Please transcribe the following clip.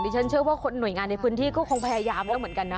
ฉันเชื่อว่าหน่วยงานในพื้นที่ก็คงพยายามแล้วเหมือนกันนะ